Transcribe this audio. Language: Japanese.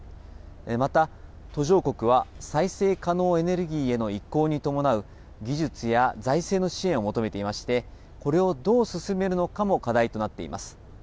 また、途上国は再生可能エネルギーへの移行に伴う技術や財政の支援を求めていまして、これをどう進めるのかも課題となっています。